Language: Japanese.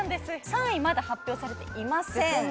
３位まだ発表されていません。